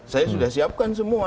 saya sudah siapkan semua